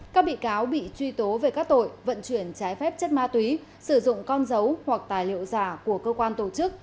các bị cáo bị truy tố về các tội vận chuyển trái phép chất ma túy sử dụng con dấu hoặc tài liệu giả của cơ quan tổ chức